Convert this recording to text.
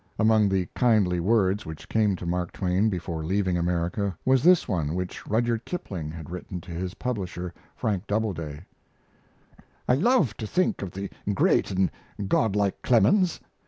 Among the kindly words which came to Mark Twain before leaving America was this one which Rudyard Kipling had written to his publisher, Frank Doubleday: I love to think of the great and godlike Clemens.